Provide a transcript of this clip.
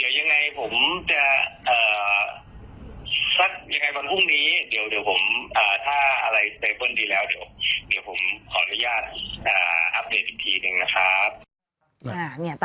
เดี๋ยวยังไงผมจะสักยังไงวันพรุ่งนี้เดี๋ยวผมถ้าอะไรเตเบิ้ลดีแล้วเดี๋ยวผมขออนุญาตอัปเดตอีกทีหนึ่งนะครับ